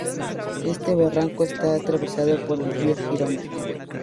Este barranco está atravesado por el río Girona.